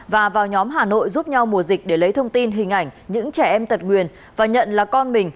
và vào nhóm hà nội giúp nhau mùa dịch để lấy thông tin hình ảnh những trẻ em tật nguyền và nhận là con mình